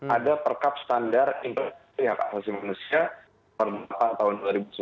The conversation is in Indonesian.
ada perkab standar yang hak asasi manusia tahun dua ribu sembilan